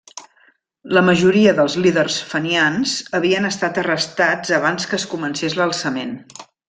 La majoria dels líders fenians havien estat arrestats abans que es comencés l'alçament.